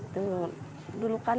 itu dulu kan